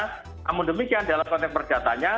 namun demikian dalam konteks perdatanya